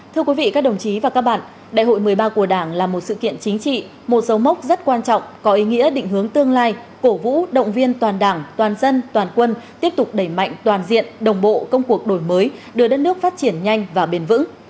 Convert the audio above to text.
thưa quý vị các đồng chí và các bạn đại hội một mươi ba của đảng là một sự kiện chính trị một dấu mốc rất quan trọng có ý nghĩa định hướng tương lai cổ vũ động viên toàn đảng toàn dân toàn quân tiếp tục đẩy mạnh toàn diện đồng bộ công cuộc đổi mới đưa đất nước phát triển nhanh và bền vững